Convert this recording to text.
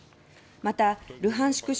またルハンシク